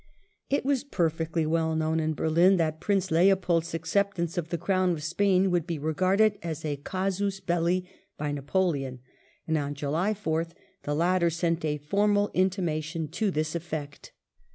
It was perfectly well known in Berlin that Prince Leopold's acceptance of the Crown of Spain would be regarded as a casus belli by Napoleon, and on July 4th the latter sent a formal intima tion to this effect.